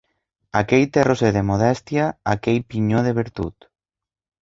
Aquell terrocet de modestia, aquell pinyó de virtut